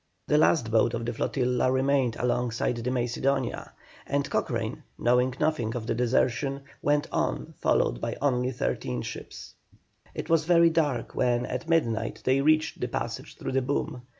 The last boat of the flotilla remained alongside the Macedonia, and Cochrane, knowing nothing of the desertion, went on, followed by only thirteen boats. It was very dark when at midnight they reached the passage through the boom.